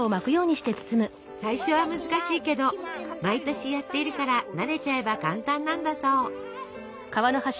最初は難しいけど毎年やっているから慣れちゃえば簡単なんだそう。